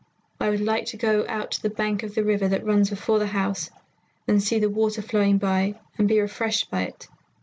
I would like to go out to the bank of the river that runs before the house and see the water flowing by, and be refreshed by it.